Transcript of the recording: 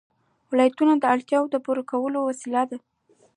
ولایتونه د اړتیاوو د پوره کولو وسیله ده.